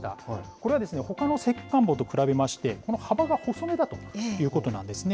これはほかの石棺墓と比べまして、幅が細めだということなんですね。